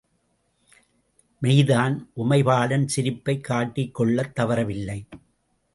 மெய்தான்! உமைபாலன் சிரிப்பைக் காட்டிக்கொள்ளத் தவறவில்லை.